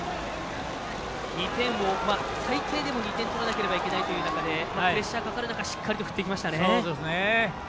最低でも２点取らなければいけない中でプレッシャーがかかる中しっかり振っていきました。